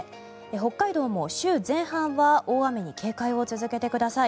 北海道も週前半は大雨に警戒を続けてください。